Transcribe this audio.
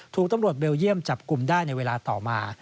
ถูกตำรวจเบลเยี่ยมจับกลุ่มได้ในเวลาต่อมา